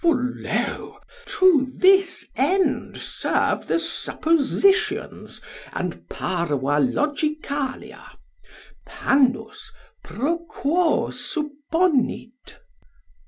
For lo, to this end serve the suppositions and parva logicalia. Pannus, pro quo supponit?